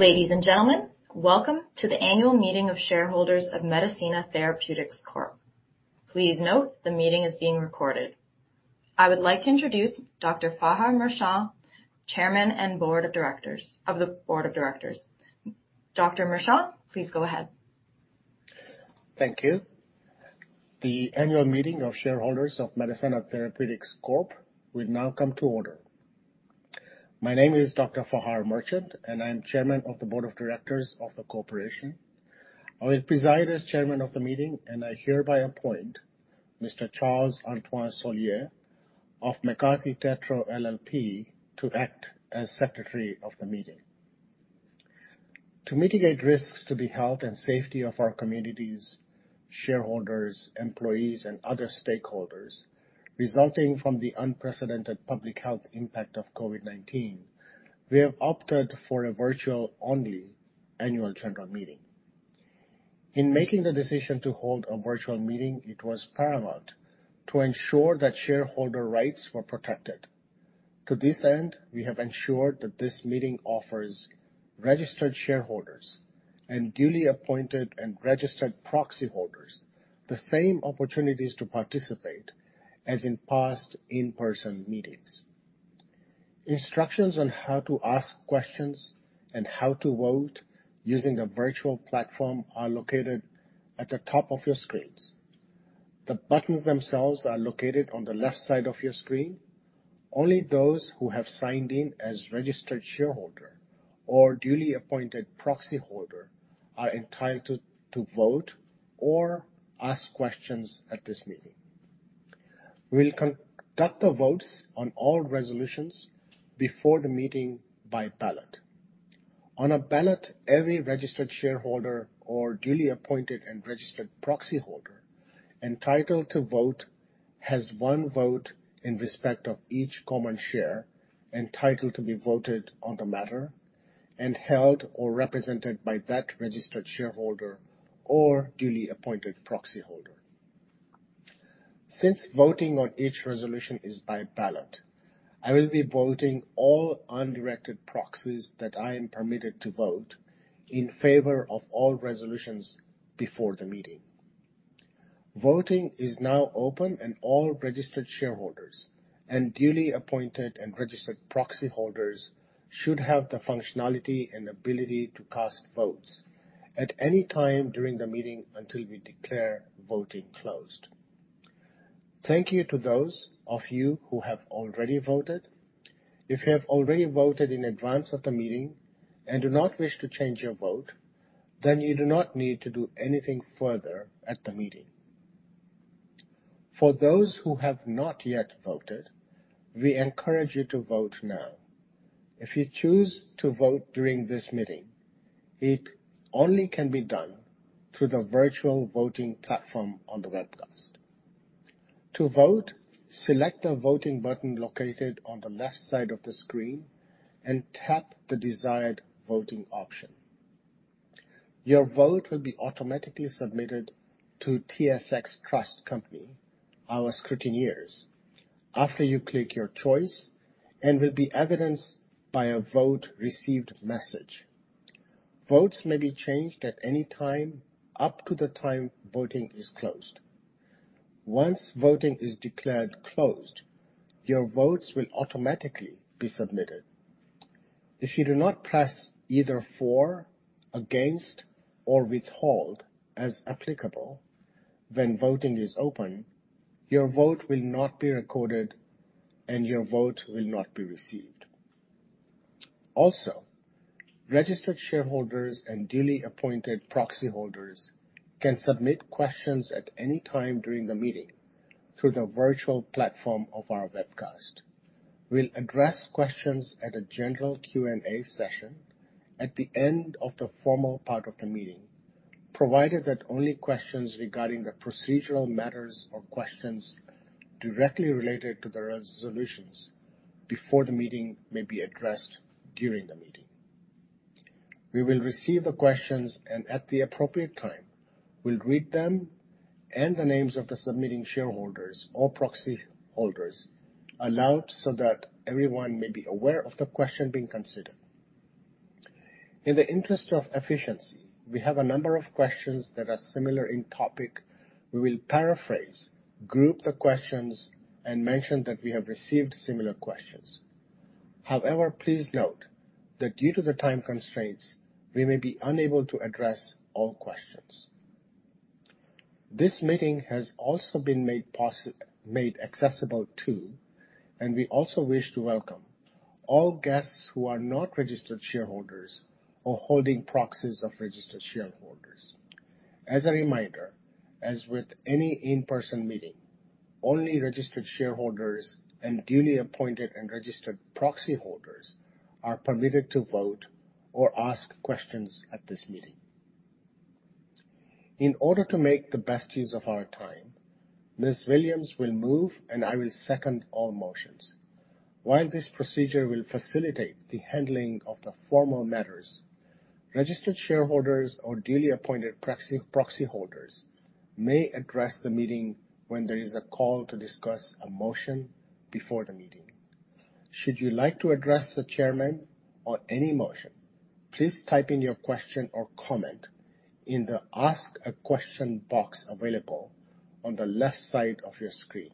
Ladies and gentlemen, welcome to the annual meeting of shareholders of Medicenna Therapeutics Corp. Please note the meeting is being recorded. I would like to introduce Dr. Fahar Merchant, Chairman of the Board of Directors. Dr. Merchant, please go ahead. Thank you. The annual meeting of shareholders of Medicenna Therapeutics Corp. will now come to order. My name is Dr. Fahar Merchant, and I am Chairman of the Board of Directors of the Corporation. I will preside as chairman of the meeting, and I hereby appoint Mr. Charles-Antoine Soulière of McCarthy Tétrault LLP to act as Secretary of the meeting. To mitigate risks to the health and safety of our communities, shareholders, employees, and other stakeholders resulting from the unprecedented public health impact of COVID-19, we have opted for a virtual-only annual general meeting. In making the decision to hold a virtual meeting, it was paramount to ensure that shareholder rights were protected. To this end, we have ensured that this meeting offers registered shareholders and duly appointed and registered proxy holders the same opportunities to participate as in past in-person meetings. Instructions on how to ask questions and how to vote using the virtual platform are located at the top of your screens. The buttons themselves are located on the left side of your screen. Only those who have signed in as registered shareholder or duly appointed proxy holder are entitled to vote or ask questions at this meeting. We'll conduct the votes on all resolutions before the meeting by ballot. On a ballot, every registered shareholder or duly appointed and registered proxy holder entitled to vote has one vote in respect of each common share entitled to be voted on the matter and held or represented by that registered shareholder or duly appointed proxy holder. Since voting on each resolution is by ballot, I will be voting all undirected proxies that I am permitted to vote in favor of all resolutions before the meeting. Voting is now open, and all registered shareholders and duly appointed and registered proxy holders should have the functionality and ability to cast votes at any time during the meeting until we declare voting closed. Thank you to those of you who have already voted. If you have already voted in advance of the meeting and do not wish to change your vote, then you do not need to do anything further at the meeting. For those who have not yet voted, we encourage you to vote now. If you choose to vote during this meeting, it only can be done through the virtual voting platform on the webcast. To vote, select the voting button located on the left side of the screen and tap the desired voting option. Your vote will be automatically submitted to TSX Trust Company, our scrutineers, after you click your choice, and will be evidenced by a Vote Received message. Votes may be changed at any time, up to the time voting is closed. Once voting is declared closed, your votes will automatically be submitted. If you do not press either For, Against, or Withhold, as applicable, when voting is open, your vote will not be recorded, and your vote will not be received. Also, registered shareholders and duly appointed proxy holders can submit questions at any time during the meeting through the virtual platform of our webcast. We'll address questions at a general Q&A session at the end of the formal part of the meeting, provided that only questions regarding the procedural matters or questions directly related to the resolutions before the meeting may be addressed during the meeting. We will receive the questions, and at the appropriate time, we'll read them and the names of the submitting shareholders or proxy holders aloud so that everyone may be aware of the question being considered. In the interest of efficiency, we have a number of questions that are similar in topic. We will paraphrase, group the questions, and mention that we have received similar questions. However, please note that due to the time constraints, we may be unable to address all questions. This meeting has also been made accessible too, and we also wish to welcome all guests who are not registered shareholders or holding proxies of registered shareholders. As a reminder, as with any in-person meeting, only registered shareholders and duly appointed and registered proxy holders are permitted to vote or ask questions at this meeting. In order to make the best use of our time, Ms. Williams will move, and I will second all motions. While this procedure will facilitate the handling of the formal matters, registered shareholders or duly appointed proxy holders may address the meeting when there is a call to discuss a motion before the meeting. Should you like to address the chairman or any motion, please type in your question or comment in the Ask A Question box available on the left side of your screen.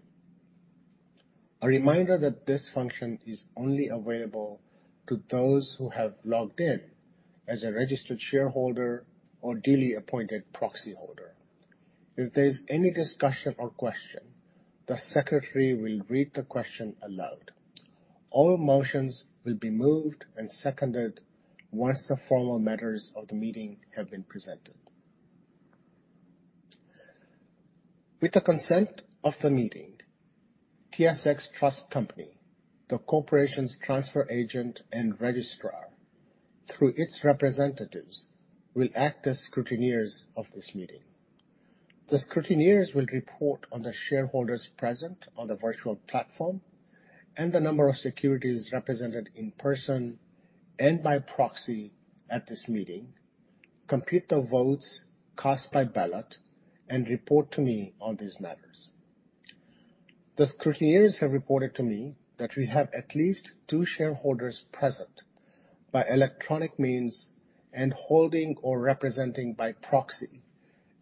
A reminder that this function is only available to those who have logged in as a registered shareholder or duly appointed proxy holder. If there's any discussion or question, the secretary will read the question aloud. All motions will be moved and seconded once the formal matters of the meeting have been presented. With the consent of the meeting, TSX Trust Company, the corporation's transfer agent and registrar, through its representatives, will act as scrutineers of this meeting. The scrutineers will report on the shareholders present on the virtual platform and the number of securities represented in person and by proxy at this meeting, compute the votes cast by ballot, and report to me on these matters. The scrutineers have reported to me that we have at least two shareholders present by electronic means and holding or representing by proxy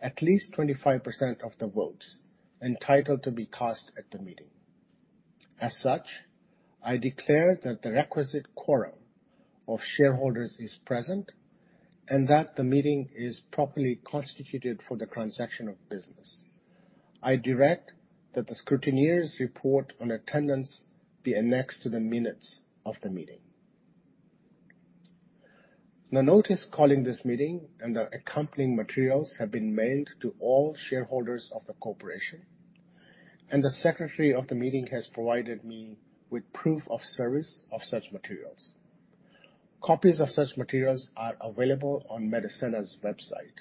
at least 25% of the votes entitled to be cast at the meeting. As such, I declare that the requisite quorum of shareholders is present and that the meeting is properly constituted for the transaction of business. I direct that the scrutineers' report on attendance be annexed to the minutes of the meeting. The notice calling this meeting and the accompanying materials have been mailed to all shareholders of the corporation, and the secretary of the meeting has provided me with proof of service of such materials. Copies of such materials are available on Medicenna's website.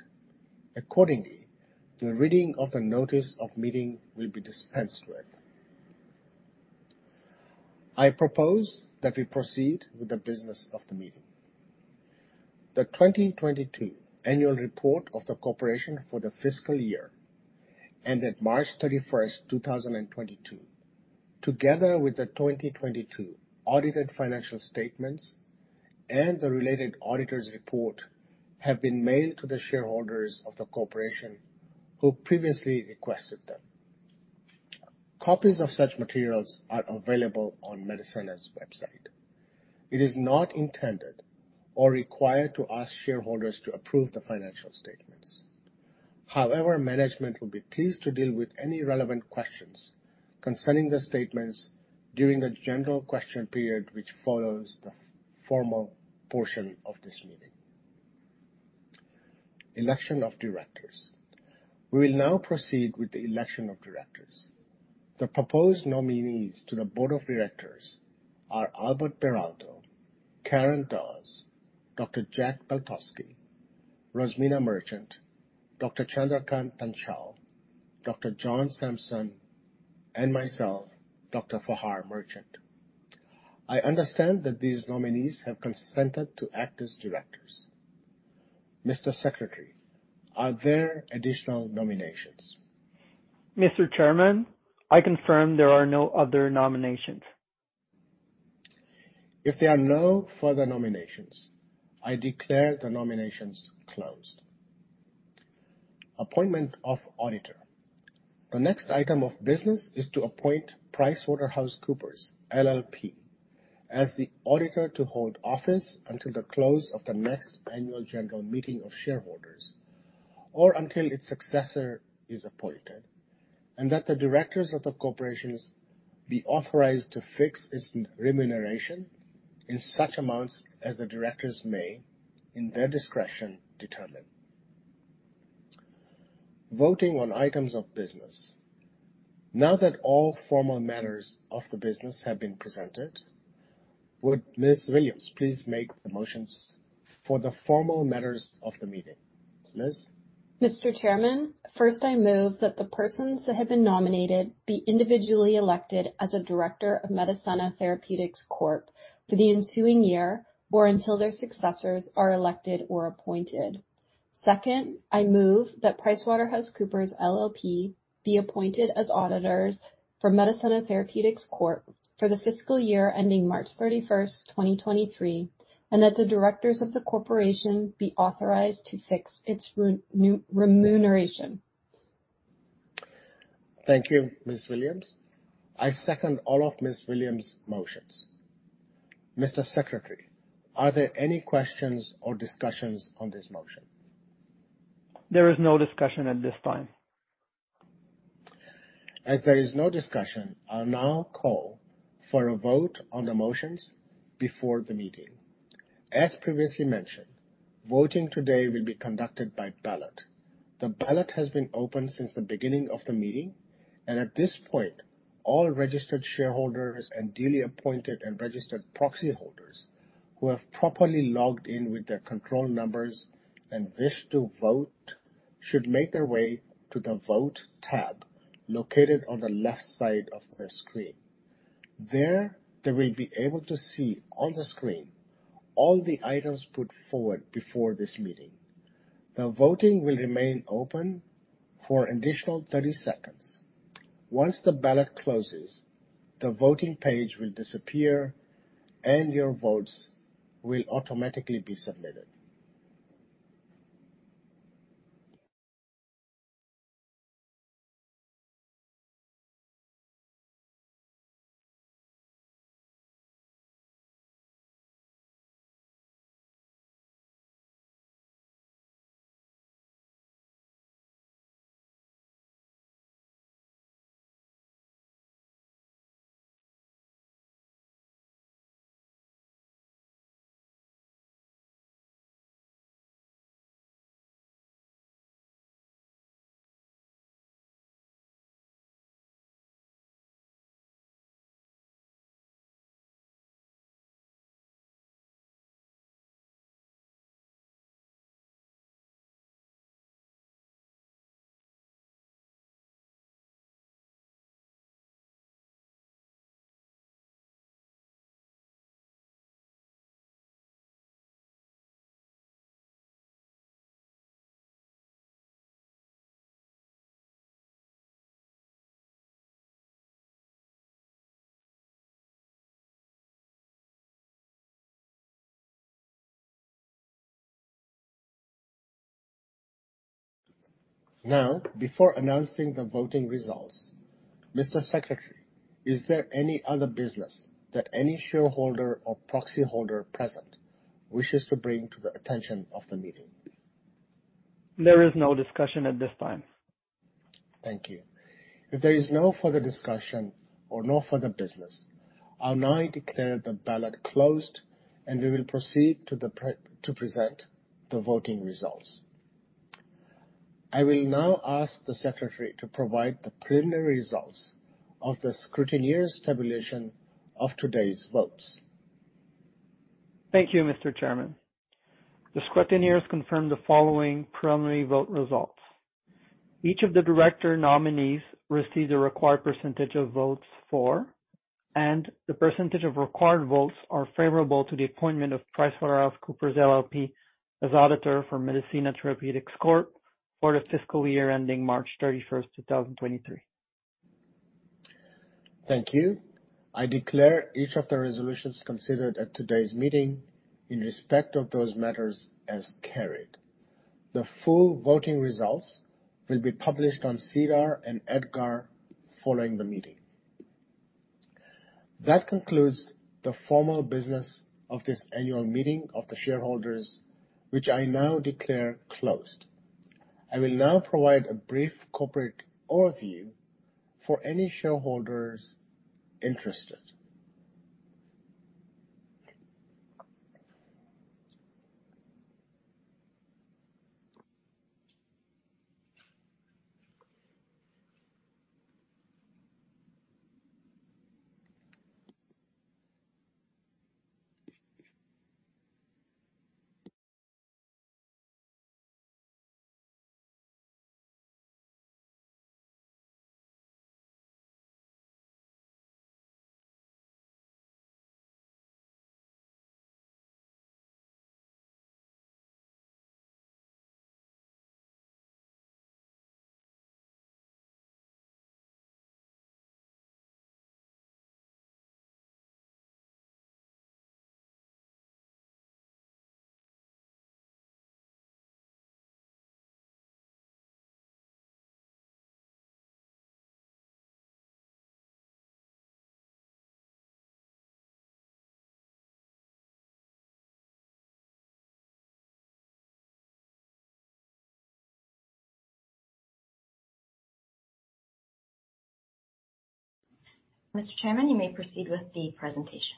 Accordingly, the reading of the notice of meeting will be dispensed with. I propose that we proceed with the business of the meeting. The 2022 annual report of the corporation for the fiscal year ended March 31, 2022, together with the 2022 audited financial statements and the related auditor's report, have been mailed to the shareholders of the corporation who previously requested them. Copies of such materials are available on Medicenna's website. It is not intended or required to ask shareholders to approve the financial statements. However, management will be pleased to deal with any relevant questions concerning the statements during the general question period which follows the formal portion of this meeting. Election of directors. We will now proceed with the election of directors. The proposed nominees to the board of directors are Albert Beraldo, Karen Dawes, Dr. John (Jack) Geltosky, Rosemina Merchant, Dr. Chandrakant Panchal, Dr. John H. Sampson, and myself, Dr. Fahar Merchant. I understand that these nominees have consented to act as directors. Mr. Secretary, are there additional nominations? Mr. Chairman, I confirm there are no other nominations. If there are no further nominations, I declare the nominations closed. Appointment of auditor. The next item of business is to appoint PricewaterhouseCoopers LLP as the auditor to hold office until the close of the next annual general meeting of shareholders or until its successor is appointed, and that the directors of the corporations be authorized to fix its remuneration in such amounts as the directors may, in their discretion, determine. Voting on items of business. Now that all formal matters of the business have been presented, would Ms. Williams please make the motions for the formal matters of the meeting. Liz. Mr. Chairman, first I move that the persons that have been nominated be individually elected as a director of Medicenna Therapeutics Corp. for the ensuing year or until their successors are elected or appointed. Second, I move that PricewaterhouseCoopers LLP be appointed as auditors for Medicenna Therapeutics Corp. for the fiscal year ending March 31, 2023, and that the directors of the corporation be authorized to fix its remuneration. Thank you, Ms. Williams. I second all of Ms. Williams' motions. Mr. Secretary, are there any questions or discussions on this motion? There is no discussion at this time. As there is no discussion, I'll now call for a vote on the motions before the meeting. As previously mentioned, voting today will be conducted by ballot. The ballot has been open since the beginning of the meeting, and at this point, all registered shareholders and duly appointed and registered proxy holders who have properly logged in with their control numbers and wish to vote should make their way to the Vote tab located on the left side of their screen. There, they will be able to see on the screen all the items put forward before this meeting. The voting will remain open for an additional 30 seconds. Once the ballot closes, the voting page will disappear and your votes will automatically be submitted. Now, before announcing the voting results, Mr. Secretary, is there any other business that any shareholder or proxy holder present wishes to bring to the attention of the meeting? There is no discussion at this time. Thank you. If there is no further discussion or no further business, I'll now declare the ballot closed, and we will proceed to present the voting results. I will now ask the secretary to provide the preliminary results of the scrutineer's tabulation of today's votes. Thank you, Mr. Chairman. The scrutineers confirmed the following preliminary vote results. Each of the director nominees received the required percentage of votes for, and the percentage of required votes are favorable to the appointment of PricewaterhouseCoopers LLP as auditor for Medicenna Therapeutics Corp. for the fiscal year ending March 31, 2023. Thank you. I declare each of the resolutions considered at today's meeting in respect of those matters as carried. The full voting results will be published on SEDAR and EDGAR following the meeting. That concludes the formal business of this annual meeting of the shareholders, which I now declare closed. I will now provide a brief corporate overview for any shareholders interested. Mr. Chairman, you may proceed with the presentation.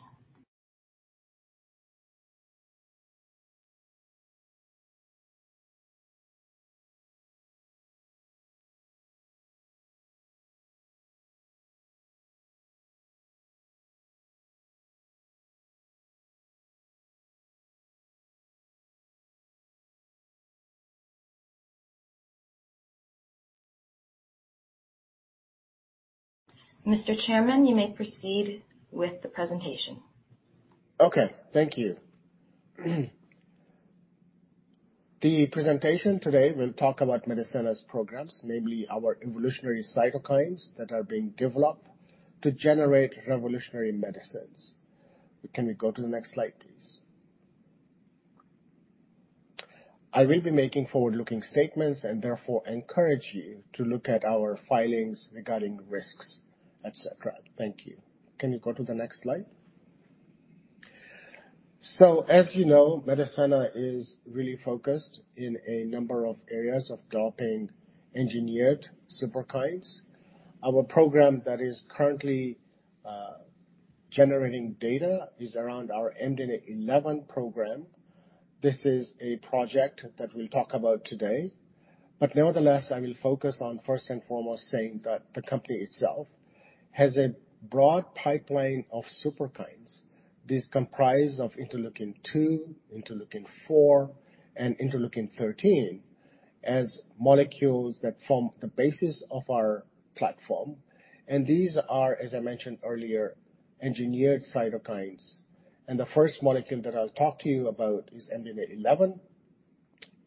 Okay. Thank you. The presentation today will talk about Medicenna's programs, namely our evolutionary cytokines that are being developed to generate revolutionary medicines. Can we go to the next slide, please? I will be making forward-looking statements and therefore encourage you to look at our filings regarding risks, etc. Thank you. Can we go to the next slide? So as you know, Medicenna is really focused in a number of areas of developing engineered Superkines. Our program that is currently generating data is around our MDNA11 program. This is a project that we'll talk about today. But nevertheless, I will focus on first and foremost saying that the company itself has a broad pipeline of Superkines. These comprise of Interleukin-2, Interleukin-4, and Interleukin-13 as molecules that form the basis of our platform. These are, as I mentioned earlier, engineered cytokines. The first molecule that I'll talk to you about is MDNA11.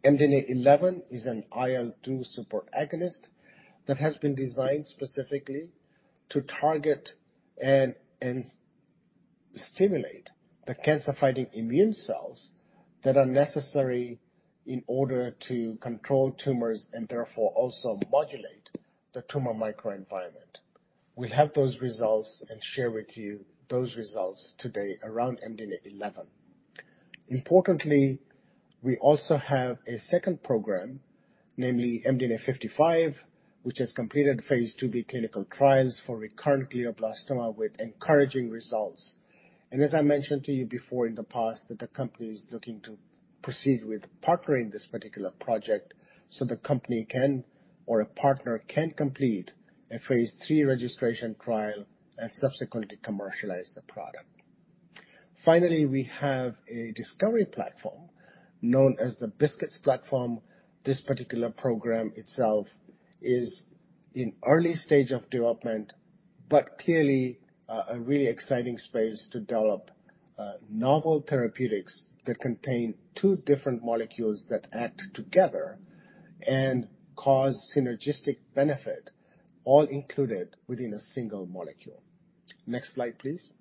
MDNA11 is an IL-2 superagonist that has been designed specifically to target and stimulate the cancer-fighting immune cells that are necessary in order to control tumors and therefore also modulate the tumor microenvironment. We have those results and share with you those results today around MDNA11. Importantly, we also have a second program, namely MDNA55, which has completed phase 2B clinical trials for recurrent glioblastoma with encouraging results. As I mentioned to you before in the past, that the company is looking to proceed with partnering this particular project so the company can, or a partner can complete a phase III registration trial and subsequently commercialize the product. Finally, we have a discovery platform known as the BiSKITs platform. This particular program itself is in early stage of development, but clearly, a really exciting space to develop, novel therapeutics that contain two different molecules that act together and cause synergistic benefit, all included within a single molecule. Next slide, please.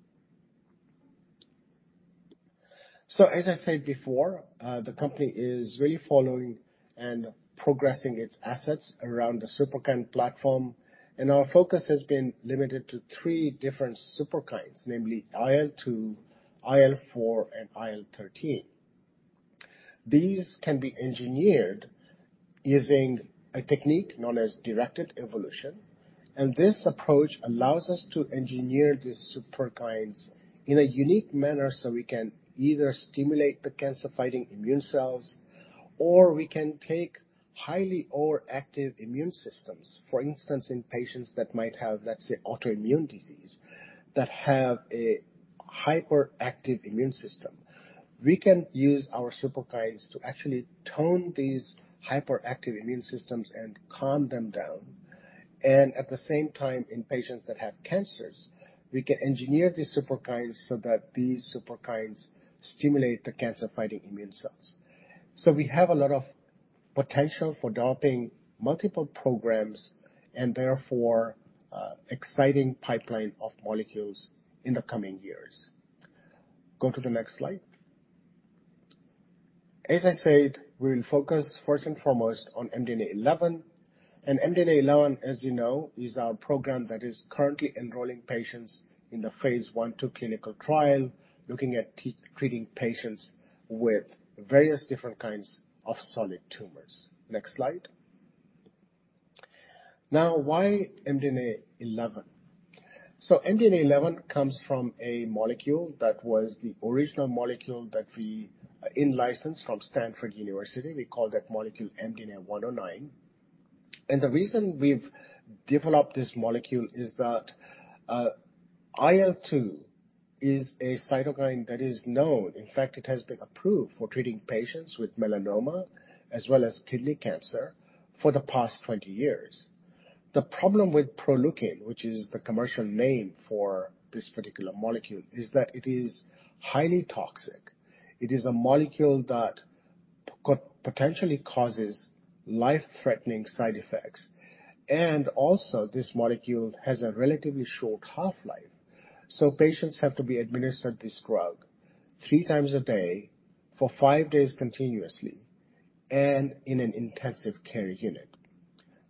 As I said before, the company is really following and progressing its assets around the Superkine platform, and our focus has been limited to three different Superkines, namely IL-2, IL-4, and IL-13. These can be engineered using a technique known as directed evolution, and this approach allows us to engineer these Superkines in a unique manner so we can either stimulate the cancer-fighting immune cells or we can take highly overactive immune systems. For instance, in patients that might have, let's say, autoimmune disease, that have a hyperactive immune system. We can use our Superkines to actually tone these hyperactive immune systems and calm them down. At the same time, in patients that have cancers, we can engineer these Superkines so that these Superkines stimulate the cancer-fighting immune cells. We have a lot of potential for developing multiple programs and therefore an exciting pipeline of molecules in the coming years. Go to the next slide. As I said, we'll focus first and foremost on MDNA11. MDNA11, as you know, is our program that is currently enrolling patients in the phase I/II clinical trial, looking at treating patients with various different kinds of solid tumors. Next slide. Now, why MDNA11? MDNA11 comes from a molecule that was the original molecule that we in-licensed from Stanford University. We call that molecule MDNA109. The reason we've developed this molecule is that, IL-2 is a cytokine that is known. In fact, it has been approved for treating patients with melanoma as well as kidney cancer for the past 20 years. The problem with Proleukin, which is the commercial name for this particular molecule, is that it is highly toxic. It is a molecule that potentially causes life-threatening side effects. also this molecule has a relatively short half-life, so patients have to be administered this drug three times a day for five days continuously and in an intensive care unit.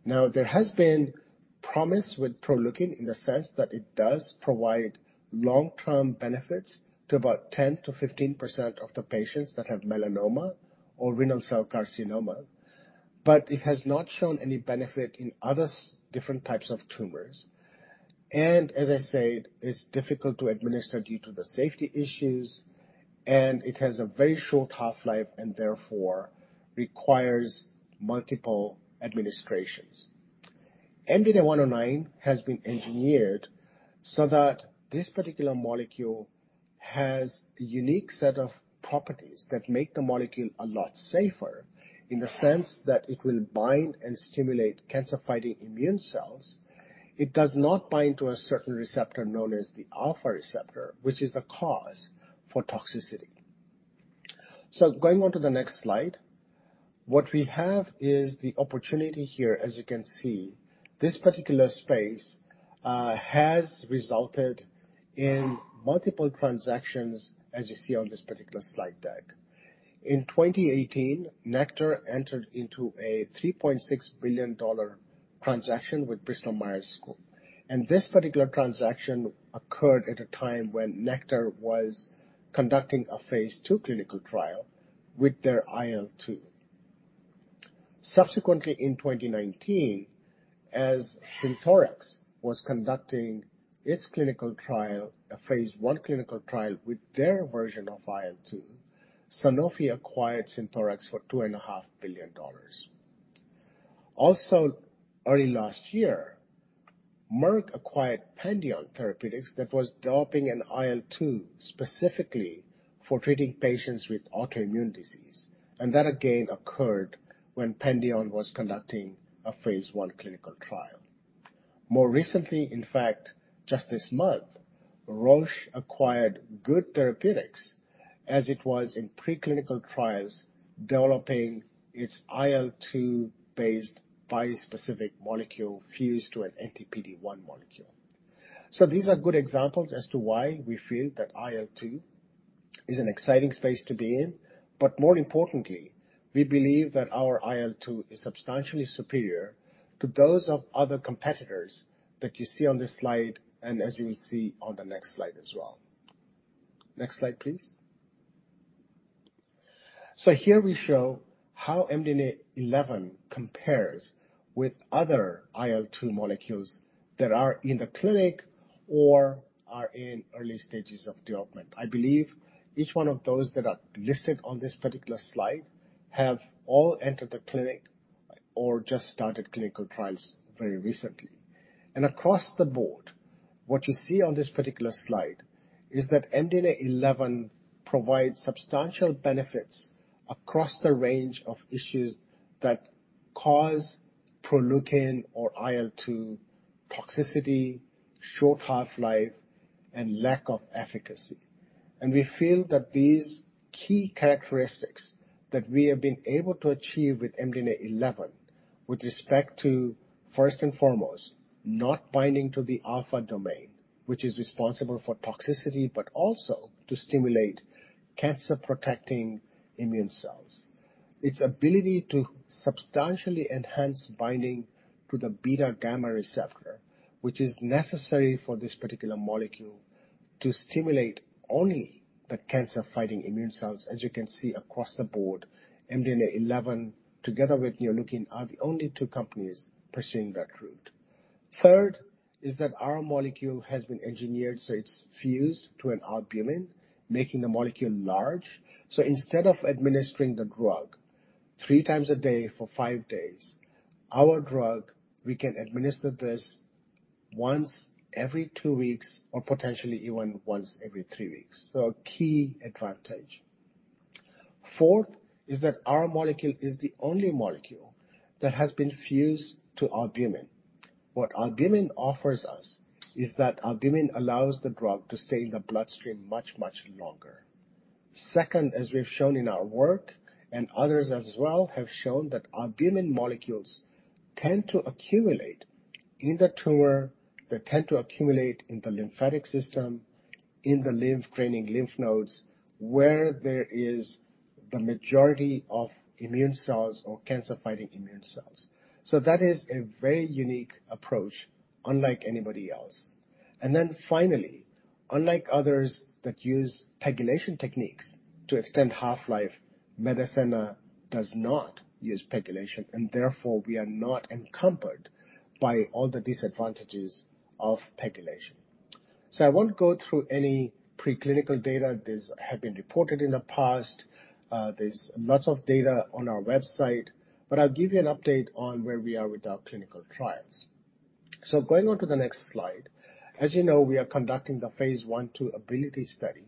Now, there has been promise with Proleukin in the sense that it does provide long-term benefits to about 10%-15% of the patients that have melanoma or renal cell carcinoma, it has not shown any benefit in other different types of tumors. As I said, it's difficult to administer due to the safety issues, and it has a very short half-life and therefore requires multiple administrations. MDNA109 has been engineered so that this particular molecule has a unique set of properties that make the molecule a lot safer in the sense that it will bind and stimulate cancer-fighting immune cells. It does not bind to a certain receptor known as the alpha receptor, which is the cause for toxicity. Going on to the next slide, what we have is the opportunity here, as you can see. This particular space has resulted in multiple transactions, as you see on this particular slide deck. In 2018, Nektar Therapeutics entered into a $3.6 billion transaction with Bristol Myers Squibb, and this particular transaction occurred at a time when Nektar Therapeutics was conducting a phase II clinical trial with their IL-2. Subsequently in 2019, as Synthorx was conducting its clinical trial, a phase I clinical trial with their version of IL-2, Sanofi acquired Synthorx for $2.5 billion. Also, early last year, Merck acquired Pandion Therapeutics that was developing an IL-2 specifically for treating patients with autoimmune disease, and that again occurred when Pandion was conducting a phase I clinical trial. More recently, in fact, just this month, Roche acquired Good Therapeutics as it was in preclinical trials developing its IL-2-based bispecific molecule fused to an anti-PD-1 molecule. These are good examples as to why we feel that IL-2 is an exciting space to be in. More importantly, we believe that our IL-2 is substantially superior to those of other competitors that you see on this slide, and as you will see on the next slide as well. Next slide, please. Here we show how MDNA11 compares with other IL-2 molecules that are in the clinic or are in early stages of development. I believe each one of those that are listed on this particular slide have all entered the clinic or just started clinical trials very recently. Across the board, what you see on this particular slide is that MDNA11 provides substantial benefits across the range of issues that cause Proleukin or IL-2 toxicity, short half-life, and lack of efficacy. We feel that these key characteristics that we have been able to achieve with MDNA11 with respect to, first and foremost, not binding to the alpha receptor, which is responsible for toxicity, but also to stimulate cancer-fighting immune cells. Its ability to substantially enhance binding to the beta gamma receptor, which is necessary for this particular molecule to stimulate only the cancer fighting immune cells. As you can see across the board, MDNA11 together with Neoleukin are the only two companies pursuing that route. Third is that our molecule has been engineered, so it's fused to an albumin, making the molecule large. Instead of administering the drug three times a day for five days, our drug, we can administer this once every two weeks or potentially even once every three weeks. A key advantage. Fourth is that our molecule is the only molecule that has been fused to albumin. What albumin offers us is that albumin allows the drug to stay in the bloodstream much, much longer. Second, as we've shown in our work, and others as well have shown that albumin molecules tend to accumulate in the tumor. They tend to accumulate in the lymphatic system, in the lymph-draining lymph nodes, where there is the majority of immune cells or cancer-fighting immune cells. That is a very unique approach unlike anybody else. Then finally, unlike others that use PEGylation techniques to extend half-life, Medicenna does not use PEGylation and therefore we are not encumbered by all the disadvantages of PEGylation. I won't go through any preclinical data. These have been reported in the past. There's lots of data on our website, but I'll give you an update on where we are with our clinical trials. Going on to the next slide. As you know, we are conducting the phase I/II ABILITY study,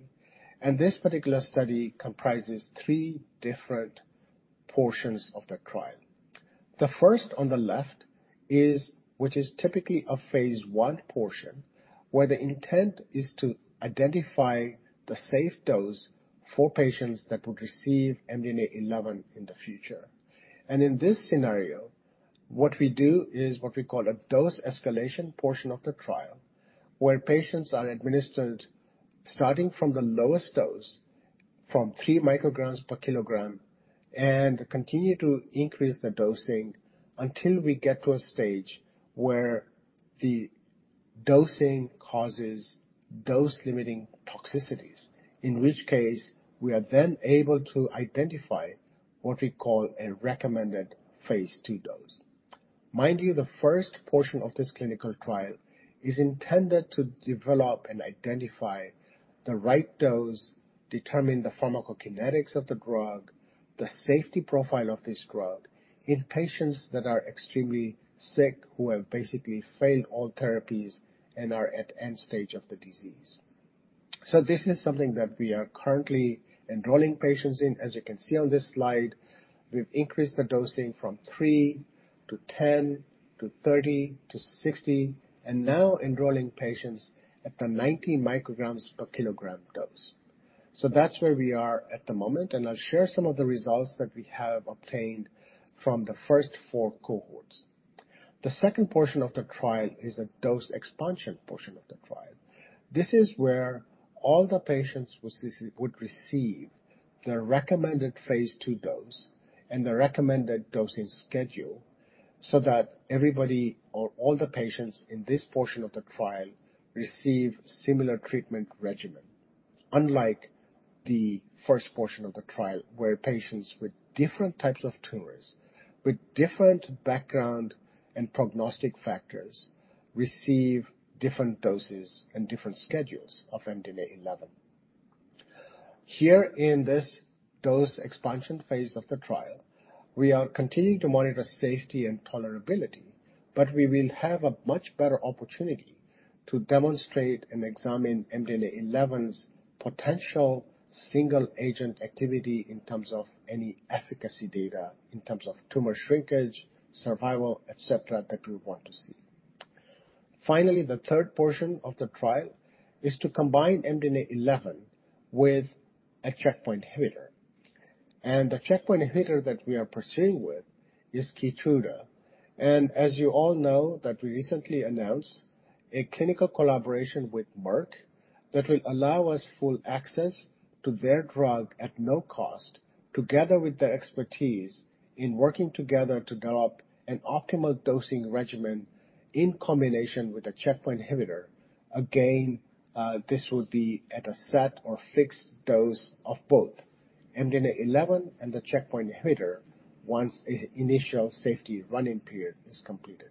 and this particular study comprises three different portions of the trial. The first on the left is, which is typically a phase I portion, where the intent is to identify the safe dose for patients that would receive MDNA11 in the future. In this scenario, what we do is what we call a dose escalation portion of the trial, where patients are administered starting from the lowest dose from 3 mcg per kg and continue to increase the dosing until we get to a stage where the dosing causes dose limiting toxicities. In which case we are then able to identify what we call a recommended phase II dose. Mind you, the first portion of this clinical trial is intended to develop and identify the right dose, determine the pharmacokinetics of the drug, the safety profile of this drug in patients that are extremely sick, who have basically failed all therapies and are at end stage of the disease. This is something that we are currently enrolling patients in. As you can see on this slide, we've increased the dosing from three to 10 to 30 to 60, and now enrolling patients at the 90 mcg per kg dose. That's where we are at the moment, and I'll share some of the results that we have obtained from the first four cohorts. The second portion of the trial is a dose expansion portion of the trial. This is where all the patients would receive the recommended phase II dose and the recommended dosing schedule so that everybody or all the patients in this portion of the trial receive similar treatment regimen. Unlike the first portion of the trial, where patients with different types of tumors, with different background and prognostic factors receive different doses and different schedules of MDNA11. Here in this dose expansion phase of the trial, we are continuing to monitor safety and tolerability, but we will have a much better opportunity to demonstrate and examine MDNA11's potential single agent activity in terms of any efficacy data, in terms of tumor shrinkage, survival, etc., that we want to see. Finally, the third portion of the trial is to combine MDNA11 with a checkpoint inhibitor. The checkpoint inhibitor that we are pursuing with is KEYTRUDA. As you all know, that we recently announced a clinical collaboration with Merck that will allow us full access to their drug at no cost, together with their expertise in working together to develop an optimal dosing regimen in combination with a checkpoint inhibitor. Again, this will be at a set or fixed dose of both MDNA11 and the checkpoint inhibitor once an initial safety run-in period is completed.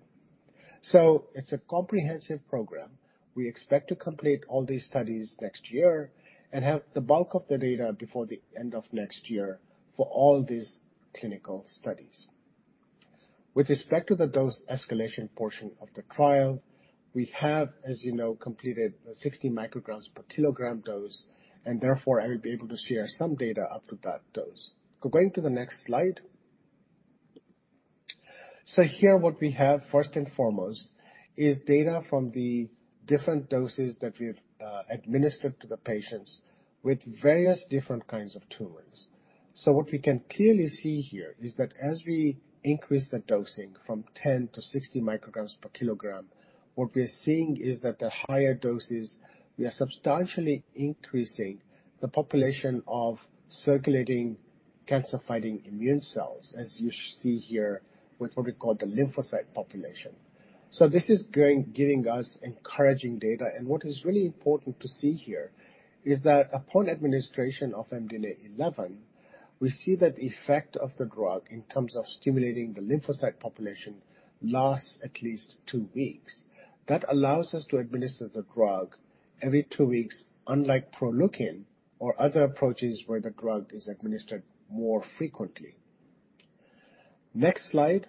It's a comprehensive program. We expect to complete all these studies next year and have the bulk of the data before the end of next year for all these clinical studies. With respect to the dose escalation portion of the trial, we have, as you know, completed the 60 mcg per kg dose, and therefore, I will be able to share some data up to that dose. Going to the next slide. Here what we have first and foremost is data from the different doses that we've administered to the patients with various different kinds of tumors. What we can clearly see here is that as we increase the dosing from 10 to 60 mcg per kg, what we're seeing is that the higher doses, we are substantially increasing the population of circulating cancer-fighting immune cells, as you see here with what we call the lymphocyte population. This is giving us encouraging data. What is really important to see here is that upon administration of MDNA11, we see that the effect of the drug in terms of stimulating the lymphocyte population lasts at least two weeks. That allows us to administer the drug every two weeks, unlike Proleukin or other approaches where the drug is administered more frequently. Next slide.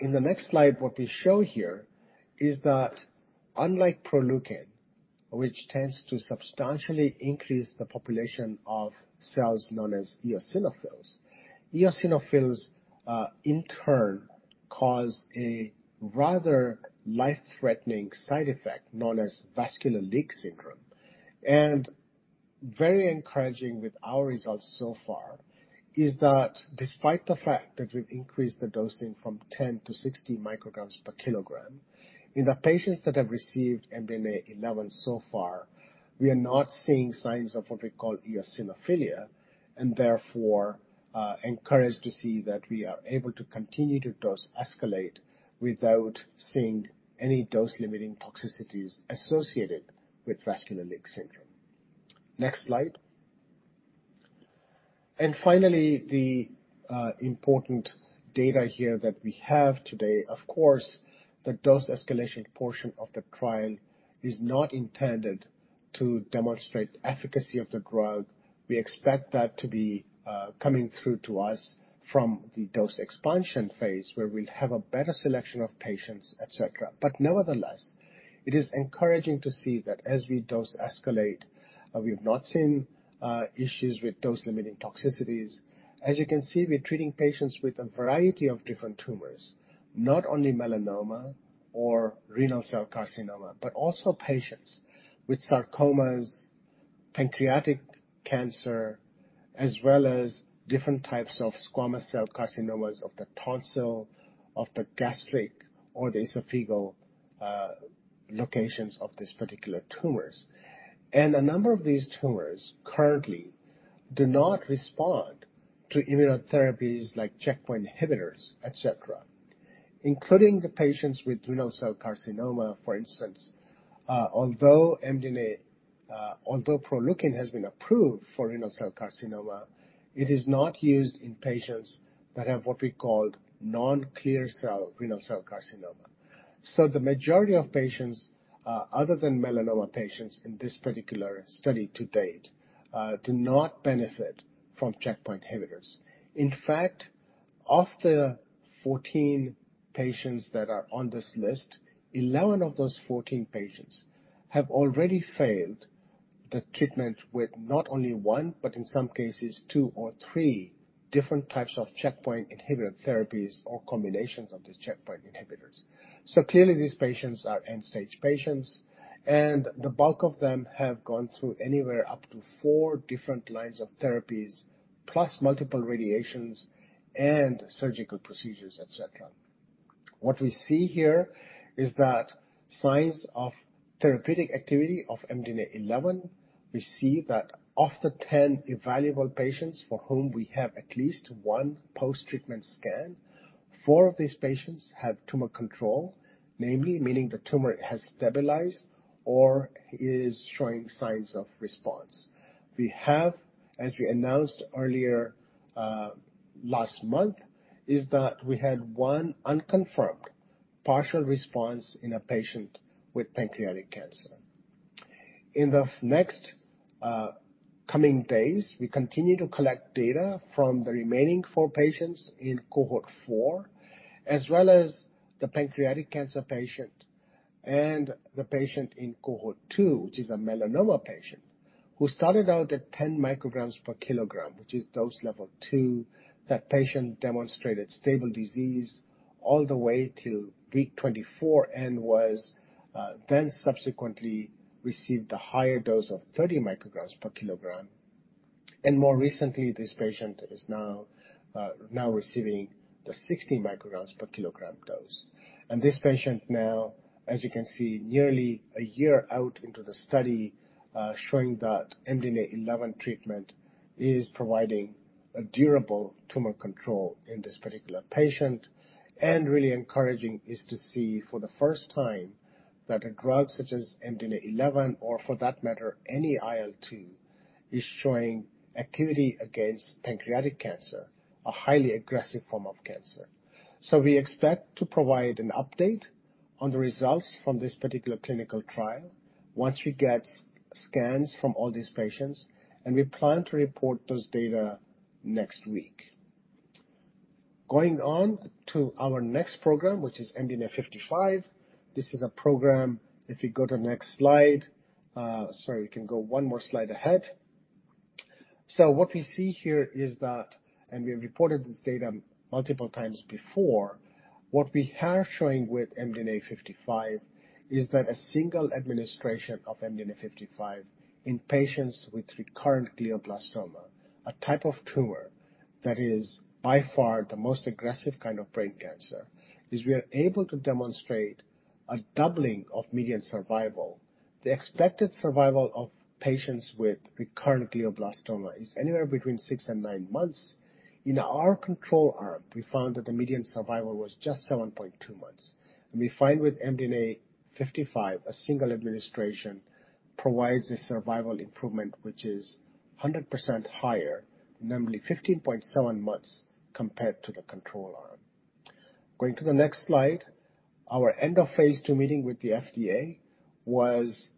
In the next slide, what we show here is that unlike Proleukin, which tends to substantially increase the population of cells known as eosinophils. Eosinophils, in turn, cause a rather life-threatening side effect known as vascular leak syndrome. Very encouraging with our results so far is that despite the fact that we've increased the dosing from 10-60 mcg per kg, in the patients that have received MDNA11 so far, we are not seeing signs of what we call eosinophilia, and therefore, encouraged to see that we are able to continue to dose escalate without seeing any dose-limiting toxicities associated with vascular leak syndrome. Next slide. Finally, important data here that we have today, of course, the dose escalation portion of the trial is not intended to demonstrate efficacy of the drug. We expect that to be coming through to us from the dose expansion phase, where we'll have a better selection of patients, etc. Nevertheless, it is encouraging to see that as we dose escalate, we've not seen issues with dose-limiting toxicities. As you can see, we're treating patients with a variety of different tumors, not only melanoma or renal cell carcinoma, but also patients with sarcomas, pancreatic cancer, as well as different types of squamous cell carcinomas of the tonsil, of the gastric, or the esophageal locations of these particular tumors. A number of these tumors currently do not respond to immunotherapies like checkpoint inhibitors, etc., including the patients with renal cell carcinoma, for instance. Although MDNA... Although Proleukin has been approved for renal cell carcinoma, it is not used in patients that have what we call non-clear cell renal cell carcinoma. The majority of patients, other than melanoma patients in this particular study to date, do not benefit from checkpoint inhibitors. In fact, of the 14 patients that are on this list, 11 of those 14 patients have already failed the treatment with not only one, but in some cases two or three different types of checkpoint inhibitor therapies or combinations of these checkpoint inhibitors. Clearly, these patients are end-stage patients, and the bulk of them have gone through anywhere up to four different lines of therapies, plus multiple radiations and surgical procedures, etc. What we see here is that signs of therapeutic activity of MDNA11. We see that of the 10 evaluable patients for whom we have at least one post-treatment scan, four of these patients have tumor control, namely meaning the tumor has stabilized or is showing signs of response. We have, as we announced earlier last month, that we had one unconfirmed partial response in a patient with pancreatic cancer. In the next coming days, we continue to collect data from the remaining four patients in cohort four, as well as the pancreatic cancer patient and the patient in cohort two, which is a melanoma patient, who started out at 10 mcg per kg, which is dose level two. That patient demonstrated stable disease all the way to week 24 and was then subsequently received a higher dose of 30 mcg per kg. More recently, this patient is now receiving the 60 mcg per kg dose. This patient now, as you can see, nearly a year out into the study, showing that MDNA11 treatment is providing a durable tumor control in this particular patient. Really encouraging is to see for the first time that a drug such as MDNA11, or for that matter, any IL-2, is showing activity against pancreatic cancer, a highly aggressive form of cancer. We expect to provide an update on the results from this particular clinical trial once we get scans from all these patients, and we plan to report those data next week. Going on to our next program, which is MDNA55. This is a program, if you go to next slide. Sorry, you can go one more slide ahead. What we see here is that, and we reported this data multiple times before, what we are showing with MDNA55 is that a single administration of MDNA55 in patients with recurrent glioblastoma, a type of tumor that is by far the most aggressive kind of brain cancer, is we are able to demonstrate a doubling of median survival. The expected survival of patients with recurrent glioblastoma is anywhere between six and nine months. In our control arm, we found that the median survival was just 7.2 months. We find with MDNA55, a single administration provides a survival improvement which is 100% higher, namely 15.7 months, compared to the control arm. Going to the next slide. Our end of phase II meeting with the FDA was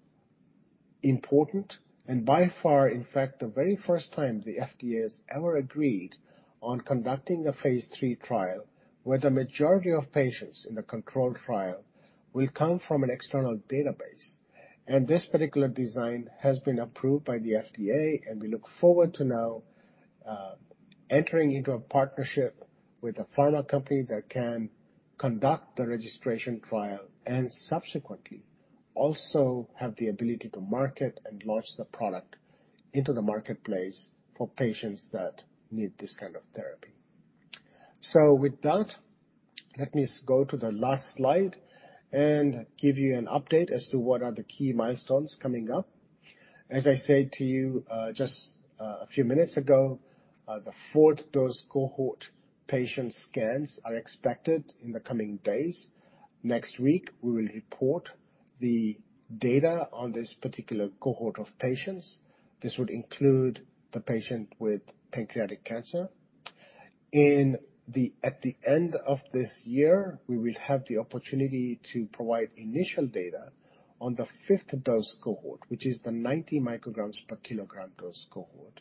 important and by far, in fact, the very first time the FDA has ever agreed on conducting a phase III trial where the majority of patients in the controlled trial will come from an external database. This particular design has been approved by the FDA and we look forward to now entering into a partnership with a pharma company that can conduct the registration trial and subsequently also have the ability to market and launch the product into the marketplace for patients that need this kind of therapy. With that, let me go to the last slide and give you an update as to what are the key milestones coming up. As I said to you, just a few minutes ago, the fourth dose cohort patient scans are expected in the coming days. Next week, we will report the data on this particular cohort of patients. This would include the patient with pancreatic cancer. At the end of this year, we will have the opportunity to provide initial data on the fifth dose cohort, which is the 90 mcg per kg dose cohort.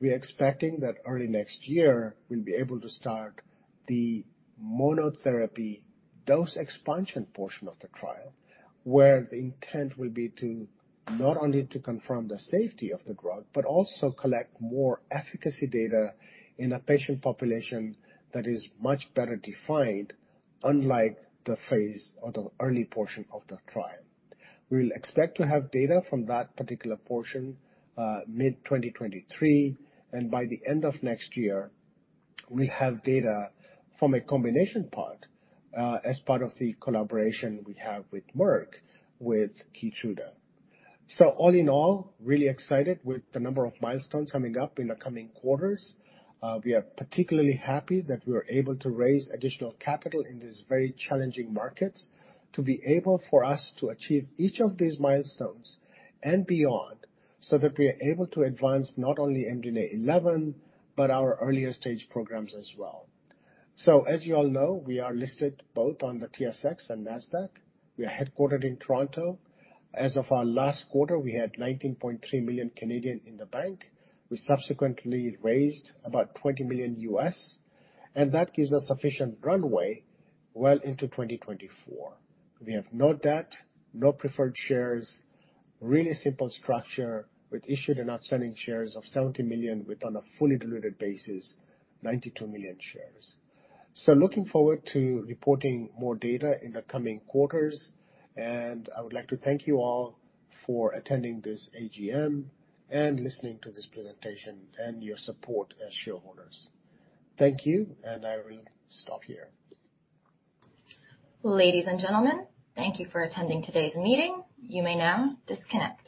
We're expecting that early next year we'll be able to start the monotherapy dose expansion portion of the trial, where the intent will be not only confirm the safety of the drug, but also collect more efficacy data in a patient population that is much better defined, unlike the phase or the early portion of the trial. We'll expect to have data from that particular portion mid-2023, and by the end of next year we'll have data from a combination part as part of the collaboration we have with Merck, with KEYTRUDA. All in all, really excited with the number of milestones coming up in the coming quarters. We are particularly happy that we were able to raise additional capital in these very challenging markets to be able for us to achieve each of these milestones and beyond, so that we are able to advance not only MDNA11, but our earlier stage programs as well. As you all know, we are listed both on the TSX and Nasdaq. We are headquartered in Toronto. As of our last quarter, we had 19.3 million in the bank. We subsequently raised about $20 million, and that gives us sufficient runway well into 2024. We have no debt, no preferred shares. Really simple structure with issued and outstanding shares of 70 million, with on a fully diluted basis, 92 million shares. Looking forward to reporting more data in the coming quarters. I would like to thank you all for attending this AGM and listening to this presentation and your support as shareholders. Thank you, and I will stop here. Ladies and gentlemen, thank you for attending today's meeting. You may now disconnect.